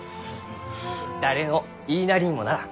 誰の言いなりにもならん。